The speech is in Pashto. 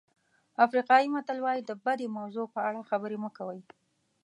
افریقایي متل وایي د بدې موضوع په اړه خبرې مه کوئ.